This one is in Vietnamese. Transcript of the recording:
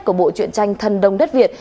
của bộ truyện tranh thần đông đất việt